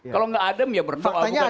kalau tidak adem ya bertolak bukan itu